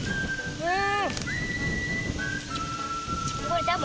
うん。